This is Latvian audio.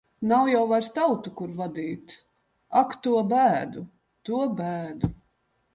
Nav jau vairs tautu, kur vadīt. Ak, to bēdu! To bēdu!